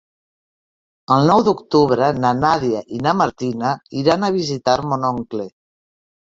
El nou d'octubre na Nàdia i na Martina iran a visitar mon oncle.